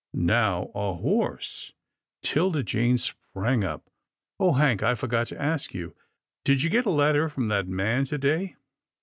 Now a horse —" 'Tilda Jane sprang up. " Oh ! Hank, I forgot to ask you. Did you get a letter from that man to day?"